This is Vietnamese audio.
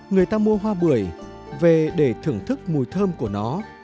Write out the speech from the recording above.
người ta mua hoa bưởi về để thưởng thức mùi thơm của nó